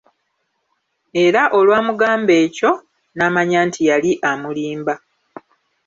Era olwamugamba ekyo, n'amanya nti yali amulimba.